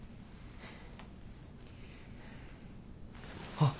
あっ。